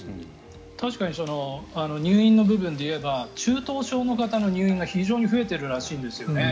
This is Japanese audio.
確かに入院の部分で言えば中等症の方の入院が非常に増えているらしいんですね。